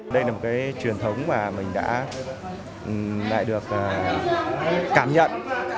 đây là một cái truyền thống mà mình đã được cảm nhận